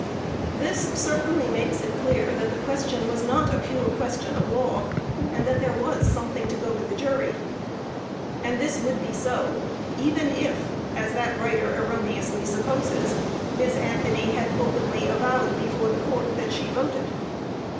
This certainly makes it clear that the question was not "a pure question of law," and that there was "something to go to the jury." And this would be so, even if, as that writer erroneously supposes, Miss Anthony had openly avowed before the Court that she voted.